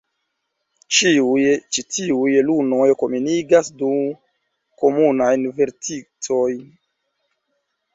Ĉiuj ĉi tiuj lunoj komunigas du komunajn verticojn.